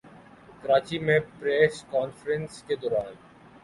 کراچی میں press conference کے دوران